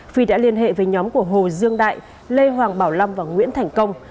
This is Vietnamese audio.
phi đã liên hệ với nhóm của hồ dương đại lê hoàng bảo lâm và nguyễn thành công